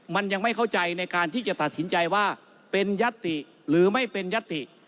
มันยังไม่เข้าใจในการที่จะตัดสินใจว่าเป็นยัตติหรือไม่เป็นยัตติ